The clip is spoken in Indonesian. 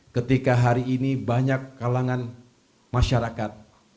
ketika hari ini banyak kalangan masyarakat